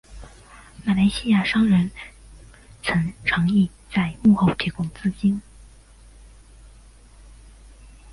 马来西亚商人曾长义在幕后提供资金。